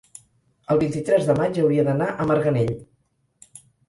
el vint-i-tres de maig hauria d'anar a Marganell.